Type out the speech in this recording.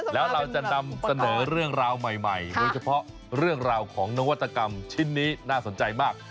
แล้วเราจะนำเสนอเรื่องราวใหม่โดยเฉพาะเรื่องราวของนวัตกรรมชิ้นนี้น่าสนใจมาก